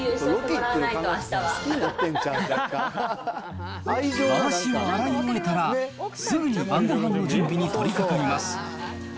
まわしを洗い終わったら、すぐに晩ごはんの準備に取りかかります。